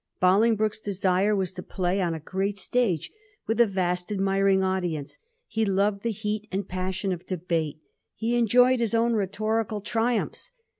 Bolingbroke's desire was to play on a great stage with a vast admiring audience. He loved the heat and passion of debate: he enjoyed his own rhetorical triumphs.